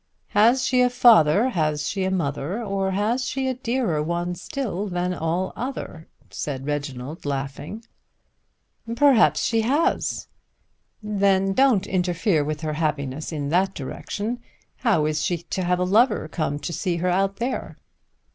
"'Has she a father, has she a mother; Or has she a dearer one still than all other?'" said Reginald laughing. "Perhaps she has." "Then don't interfere with her happiness in that direction. How is she to have a lover come to see her out here?"